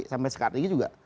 sampai sekarang juga